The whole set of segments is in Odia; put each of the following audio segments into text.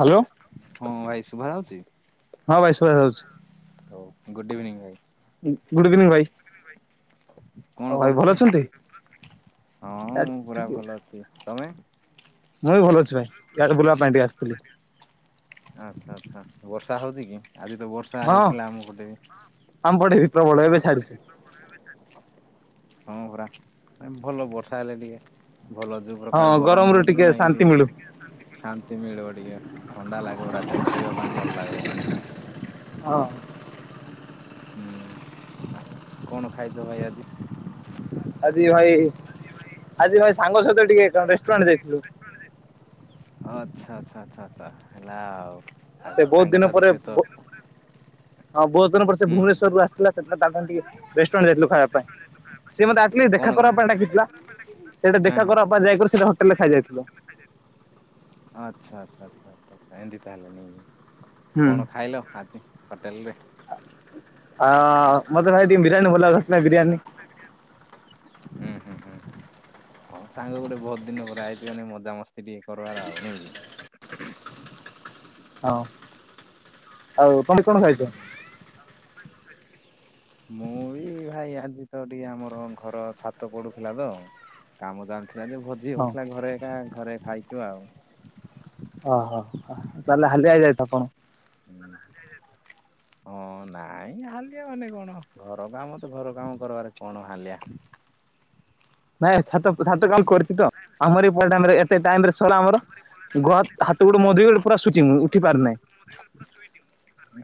ହାଲୋ। ହଁ ଭାଇ ଶୁଭା ଯାଉଛି ହଁ ଭାଇ ଶୁଭା ଯାଉଛି ହଉ ଇଭିନିଂ ଭାଇ। ଗୁଡ଼ ଇଭିନିଂ ଭାଇ। ଆଉ କଣ ଭାଇ ଭଲ କରୁଛ ଅଛନ୍ତି? ହଁ ମୁଁ ପୁରା ଭଲ ଅଛି ତମେ? ମୁଁ ବି ଭଲ ଅଛି ଭାଇ ଇଆଡ଼େ ବୁଲିବା ପାଇଁ ଟିକେ ଆସିଥିଲି। ଆଚ୍ଛା ଆଚ୍ଛା ବର୍ଷା ହଉଚ କି ଆଜି ତ ବର୍ଷା ହଁ ହେଇଥିଲା ଆମ ପଟେ। ଆମ ପଟେ ବି ପ୍ରବଳ ଏବେ ଛାଡିଚଛି। ହଁ ପରା ଭଲ ବର୍ଷା ହେଲେ ଟିକେ। ଭଲ ଯୋଉ ପ୍ରକାର ହଁ ଗରମ ଗରମରୁ ହଉ ଟିକେ ନାଇଁ କି ଶାନ୍ତି ମିଳୁ ଟିକେ ଶାନ୍ତି ମିଳିବ ଟିକେ ଥଣ୍ଡା ଲାଗିବ ରାତିରେ ଶୋଇବା ପାଇଁ ଭଲ ଲାଗିବ। ହଁ ହୁଁ ଆଉ କଣ ଖାଇଛ ଭାଇ ଆଜି? ଆଜି ଭାଇ ଆଜି ଭାଇ ସାଙ୍ଗ ସହିତ ଟିକେ ରେଷ୍ଟୁରାଣ୍ଟ ଯାଇଥିଲୁ। ଓ ଆଚ୍ଛା ଆଚ୍ଛା ଆଛା ଆଛା ହେଲା ଆଉ। ସେ ଆଉ ବହୁତ ଦିନ ସାଙ୍ଗସାଥି ପରେ ସହିତ ବୋ ହଁ ବହୁତ୍ ଦିନ ପରେ ସେ ହୁଁ ହୁଁ ଭୁବନେଶ୍ୱରରୁୁ ଆସିଥିଲା ସେଳେ ତା ଟିକେ ରେଷ୍ଟୁରାଣ୍ଟ ଯାଇଥିଲୁ ଖଇବା ପାଇଁ ସେ ମତେ ଆ କଣ କଣ ଦେଖାକରା ପାଇଁ ଡାକିଥିଲା ସେଇଟା ହଁ ହଁ ଦେଖାକରା ପାଇଁ ଯାଇକରି ସେଇଟା ହୋଟେଲ୍ ରେ ଖାଇ ଯାଇଥିଲୁ। ଆଚ୍ଛା ଆଚ୍ଛା ଆଚ୍ଛା ଆଚଛା ଆଚଛା ଏମିତି ତାହେଲେ ନେଇଁକି ହୁଁ କଣ ଖାଇଲ ଆଜି? ହୋଟେଲ୍ ରେ।। ହ ମତେ ଭାଇ ଟିକେ ବିରୟାନୀ ଭଲ ଲାଗିଲା ବିରୟାନୀ ହୁଁ ହୁଁ ହୁଁ ହଁ ସାଙ୍ଗ ଗୋଟେ ବହୁତ୍ ଦିନ ପରେ ଆଇଛି ମାନେ ମଜାମସ୍ତି ଟିକେ କରବାର ଆଉ। ହୁଁ। [inaudible] ହଁ ଆଉ ତମେ କଣ ଖାଇଛ? ମୁଁ ବି ଭାଇ ଆଜି ତ ଟିକେ ଆମର ଘର ଛାତ ପଡୁଥିଲା ତ ଆ କାମ ଜାଣିଥିଲା ଯେ ଭୋଜି ହଁ ହଉଥିଲା ଘରେ କା ଘରେ ଖାଇକି ଆଉ। ଓହୋ ତାହେଲେ ହାଲିଆଇଯାଇ ଥ କଣ ହଁ ନାଇଁ ହାଲିଆ ମାନେ କଣ ଘର କାମ ତ ଘର କାମ କରବାରେ କଣ ହାଲିଆ। ନାଇଁ ଛାତ ଛାତ କାମ କରିଛି ତ ଆମର ଏ ପ ଟାଇମ୍ ରେ ଏତେ ଟାଇମ୍ ସରା ଆମର ଗ ହାତ ଗୋଡ଼ ମଧିର ଗୋଟ ପୁରା ଶ ସୁଚି ମୁ ଉଠି ପାରୁନାହିଁ।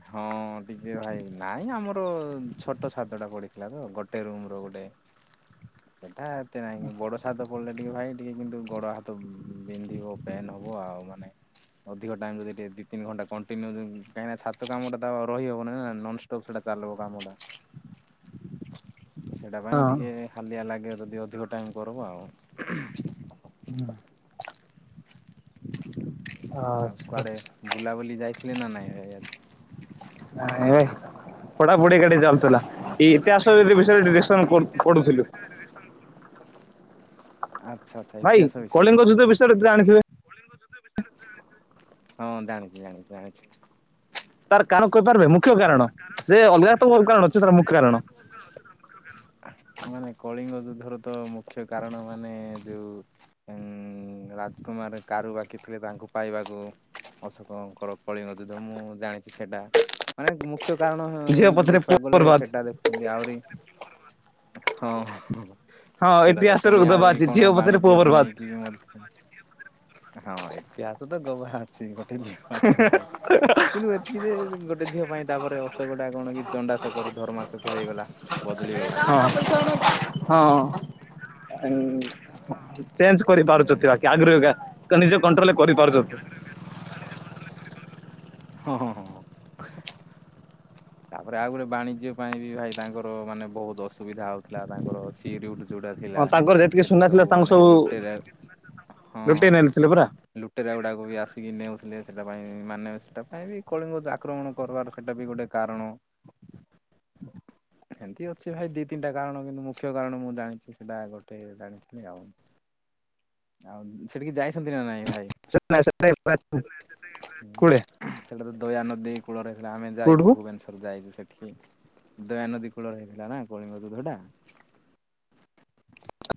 ହଁ ଟିକେ ଭାଇ ନାଇଁ ଆମର ଛୋଟ ଛାତଟା ପଡ଼ିଥିଲା ତ ଗୋଟେ ରୁମ୍ ର ଗୋଟେ। ସେଟା ଏତେ ନାଇଁ ବଡ ସାଦ ପଡ଼ିଲେ ଟିକେ ଭାଇ ଟିକେ କିନ୍ତୁ ଗୋଡ ହାତ ବିନ୍ଧିବ ପେନ୍ ହବ ଆଉ ମାନେ। ଅଧିକ ଟାଇମ୍ ରେ ଯଦି ଟ ଦଇ ତିନି ଘଣ୍ଟା କଣ୍ଟିନ୍ୟୁ କାହିଁକିନା ଛାତ କମଟା ଆ ରହିହବ ନି ନା ନନ୍ ତ ସେଟା ଚାଲବ କାମଟା। ସେଇଟା ପାଇଁ ହଁ ଟିକେ ହାଲିଆ ଲାଗେ ଯଦି ଅଧିକ ଟାଇମ୍ କରବ ଆଉ। ଆଉ ଆଚ୍ଛା କୁଆଡ଼େ ଆଚ୍ଛା ବୁଲାବୁଲି ଯାଇଥିଲେ ନା ନାଇଁ ଭାଇ ଆଜି ନାଇଁ ଭାଇ ପଢ଼ା ପୁଢ଼ି କାଲି ଚାଲୁଥିଲା ଏଇ ଏଇତେ ଆସ [unintelligible] ବିଷୟରେ ପଢ଼ୁଥିଲୁ। [inaudible] ଆଚ୍ଛ ଛା ଭାଇ କଳିଙ୍ଗ ଯୁଦ୍ଧ ବିଷୟରେ ଏତେ ଜଣିଥିବେ। [inaudible] ହଁ ଜାଣିଛି ଜାଣିଛି ଜାଣିଛି। ତାର କାରଣ କହିପାରିବେ ମୁଖ୍ୟ କାରଣ ସେ ଅଲଗା ତ ବହୁତ୍ କାରଣ ଅଛି ତାର ମୁଖ୍ୟ କାରଣ। ମାନେ କଳିଙ୍ଗ ଯୁଦ୍ଧର ତ ମୁଖ୍ୟ କାରଣ ମାନେ ଯୋଉ ଉ ରାଜକୁମାର କାରୁ ବାକି ଥିଲେ ତାଙ୍କୁ ପାଇବାକୁ। ଅଶୋକଙ୍କର କଳିଙ୍ଗ ଯୁଦ୍ଧ ମୁଁ ଜାଣିଛି ସେଇଟା। ମାନେ ମୁଖ୍ୟ କାରଣ ଝିଅ ପଛରେ ପୁଅ ଦେଖିବାକୁ ଗଲେ ବର୍ବାଦ। ସେଟା ଦେଖ କେମତି ଆହୁରି ହଁ। ହଁ ସେଇଟା ତ ଇତିହାସରେ ପୁଣି ଦବା ଆହୁରି ଅଛି ଝିଅ କଣ ପଛରେ ପୁଅ ବାଣିଜ୍ୟକୁ ବର୍ବାଦ ନେଇକି ମଧ୍ୟ। [unintelligible] ହଁ ଇତିହାସ ତ ଗୋବା ଅଛି ଗୋଟେ ଯଝିବା ପାଇଁ ବହୁତ୍ କିନ୍ତୁ ଏତିକି ଯେ ଗୋ ଗୋଟେ ଝିଅ ପାଇଁ ତାପରେ ଅଶୋକ ଟା କଣ କି ଚଣ୍ଡାଶୋକ ରୁ ଧର୍ମାଶୋକ ହେଇଗଲା ବଦଳିଗଲା। ହଁ [unintelligible] ହଁ। ଚେଞ୍ଜ ହୁଁ କରିପାରୁଛନ୍ତି ବାକି ଆଗ୍ରହା ନିଜ କଣ୍ଟ୍ରୋଲରେ କରିପାରୁଛନ୍ତି। ନିଜ କଣ୍ଟ୍ରୋଲରେ କରିପାରୁଛନ୍ତି ହଁ ହଁ ହଁ ହଁ। ତାପରେ ଆଉ ଗୋଟେ ବାଣିଜ୍ୟ ପାଇଁ ବି ଭାଇ ତାଙ୍କର ମାନେ ବହୁତ ଅସୁବିଧା ହଉଥିଲା ତାଙ୍କର ଅଛି ଟି ରିଉଡ ଯୋଉଟା ଥିଲା ହଁ ତାଙ୍କର ଯେତିକି ସୁନା ସେଟା ଥିଲା ସବୁ ତାଙ୍କୁ ମାନେ ଲୁଟେରା ହଁ। ଥିଲେ ପରା। ଲୁଟେରା ଗୁଡାକ ବି ଆସିକି ନେଉଥିଲେ ସେଟା ପାଇଁ ମାନେ ସେଟା ପାଇଁ ବି କଳିଙ୍ଗ ଆକ୍ରମଣ କରିବାର ସେଟା ବି ଗୋଟେ କାରଣ। ଏମିତି ଅଛି ଭାଇ ଦି ତିନିଟା କାରଣ କିନ୍ତୁ ମୁଖ୍ୟ କାରଣ ମୁଁ ଜାଣିଛି ସେଇଟା ଗୋଟେ ଜାଣିଥିଲି ଆଉ। ଆଉ ସେଠିକି ଯାଇଛନ୍ତି ନା ନାଇଁ ଭାଇ? [unintelligible] ହୁଁ। କୋଉଠେ ସେଟା ତ ଦୟାନଦୀ କୂଳ ରେ ସେଟା ଆମେ ଯାଇଛୁ କୋଉଠୁକୁ ଭୁବନେଶ୍ୱରୁ ଯାଇଛୁ ସେଠିକି। ଦୟାନଦୀ କୂଳରେ ହେଇଥିଲା ନା କଳିଙ୍ଗ ଯୁଦ୍ଧ ଟା।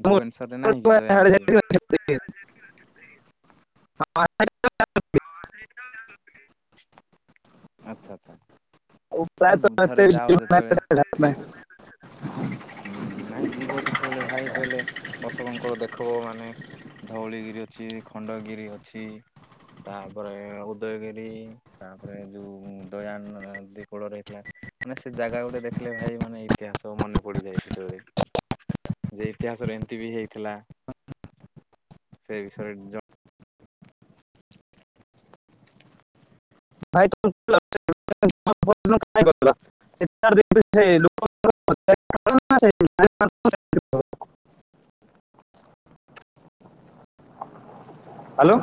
ଭୁବନେଶ୍ୱରରେ ନାହିଁ କି ଦୟାନଦୀ? [unintelligible] [unintelligible] ହଁ। ଆଚ୍ଛା ଆଚ୍ଛା। ନାଇଁ ଥରେ ଉପାୟ ଯାଅ ଯେତେବେଳେ [unintelligible] ହୁଁ ନାଇଁ ଯିବ ସେତେବେଳେ ଭାଇ କହିଲେ ଅଶୋକଙ୍କର ଦେଖବ ମାନେ ଧଉଳିଗିରି ଅଛି, ଖଣ୍ଡଗିରି ଅଛି। ତାପରେ-ଏ-ଏ ଉଦୟଗିରି ତାପରେ ଯୋଉ-ଉ-ଉ ଦୟାନ-ଅ ନଦୀ କୂଳରେ ହେଇଥିଲା ମାନେ ସେ ଜାଗା ଗୋଟେ ଦେଖିଲେ ଭାଇ ମାନେ ଇତିହାସ ମନେ ପଡିଯାଏ ସେତେବେଳେ। ଯେ ଇତିହାସରେ ଏମିତି ବି ହେଇଥିଲା ସେ ବିଷୟରେ ଜ ଭାଈ [unintelligible] [unintelligible] [unintelligible] ହାଲୋ।